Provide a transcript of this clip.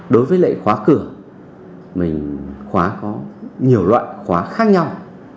đối với lệ khóa cửa mình khóa có nhiều loại khóa khác nhau